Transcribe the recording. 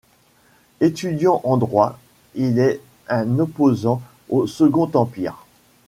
Étudiant en droit, il est un opposant au Second Empire.